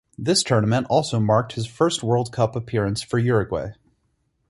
This tournament also marked his first World Cup appearance for Uruguay.